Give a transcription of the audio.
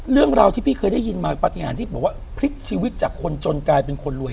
เรื่องราวที่พี่เคยได้ยินมาปฏิหารที่บอกว่าพลิกชีวิตจากคนจนกลายเป็นคนรวย